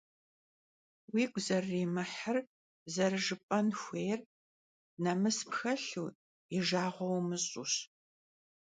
Vuigu zerırimıhri zerıjjıp'en xuêyr nemıs pxelhu, yi jjağue vumış'uş.